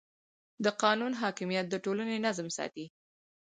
د قانون حاکمیت د ټولنې نظم ساتي.